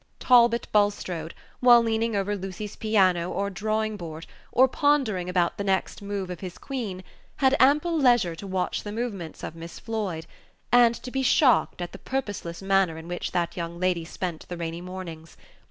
Talbot Bulstrode, while leaning over Lucy's piano or drawing board, or pondering about the next move of his queen, had ample leisure to watch the movements of Miss Floyd, and to be shocked at the purposeless manner in which that young lady spent the rainy mornings.